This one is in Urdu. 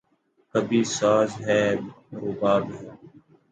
کبھی ساز ہے، رباب ہے